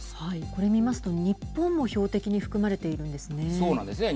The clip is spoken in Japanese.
これ見ますと、日本も標的に含まれているんですね。